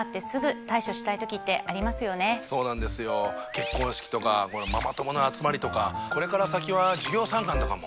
結婚式とかママ友の集まりとかこれから先は授業参観とかも。